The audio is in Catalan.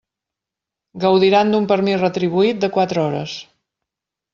Gaudiran d'un permís retribuït de quatre hores.